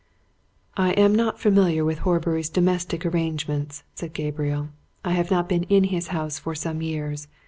"I am not familiar with Horbury's domestic arrangements," said Gabriel. "I have not been in his house for some years.